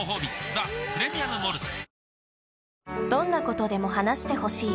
「ザ・プレミアム・モルツ」